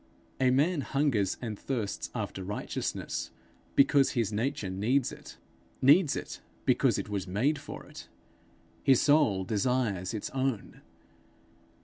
A man hungers and thirsts after righteousness because his nature needs it needs it because it was made for it; his soul desires its own.